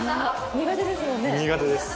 苦手です。